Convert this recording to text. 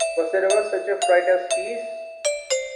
Was there ever such a fright as he is!